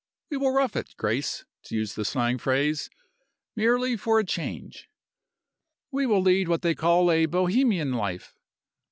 We will rough it, Grace (to use the slang phrase), merely for a change. We will lead what they call a 'Bohemian life.